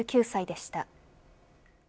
８９歳でした。